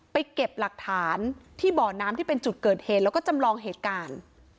เก็บหลักฐานที่บ่อน้ำที่เป็นจุดเกิดเหตุแล้วก็จำลองเหตุการณ์